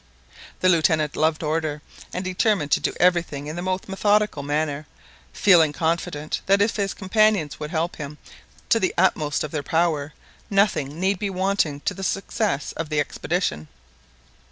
The Lieutenant loved order, and determined to do everything in the most methodical manner, feeling confident that if his companions would help him to the utmost of their power, nothing need be wanting to the success of the expedition.